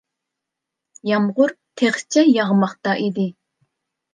يامغۇر تېخىچە ياغماقتا ئىدى.